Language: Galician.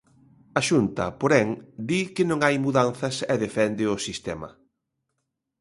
A Xunta, porén, di que non hai mudanzas e defende o sistema.